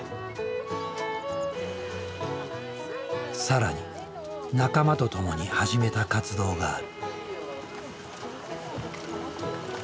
更に仲間と共に始めた活動がある。